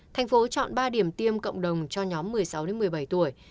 thành phố chọn ba điểm tiêm cộng đồng cho nhóm một mươi sáu một mươi bảy tuổi